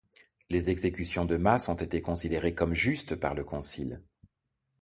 Les exécutions de masse ont été considérées comme justes par le concile.